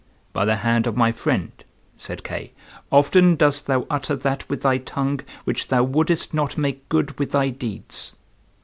"By the hand of my friend," said Kay, "often dost thou utter that with thy tongue which thou wouldest not make good with thy deeds."